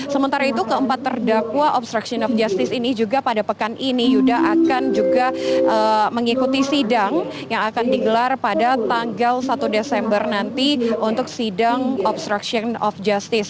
sementara itu keempat terdakwa obstruction of justice ini juga pada pekan ini yuda akan juga mengikuti sidang yang akan digelar pada tanggal satu desember nanti untuk sidang obstruction of justice